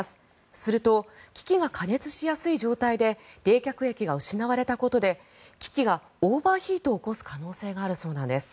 すると機器が過熱しやすい状態で冷却液が失われたことで機器がオーバーヒートを起こす可能性があるそうなんです。